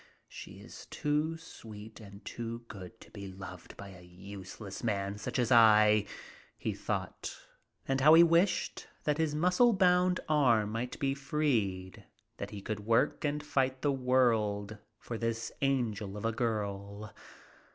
"She is too sweet and too good to be loved by a useless man such as I am," he thought, and how he wished that his muscle bound arm might be freed that he could work and fight the world for this angel of a girl.